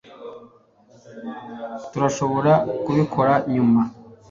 turashobora kubikora nyuma